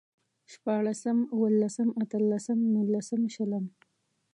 شپاړسم، اوولسم، اتلسم، نولسم، شلم